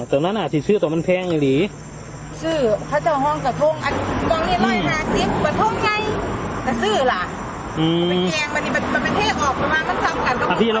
ตรงนั้นอะสิชื่อตัวมันแพงเลย